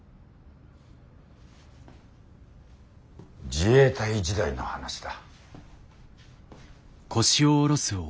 自衛隊時代の話だ。